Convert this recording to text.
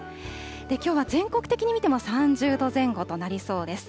きょうは全国的に見ても３０度前後となりそうです。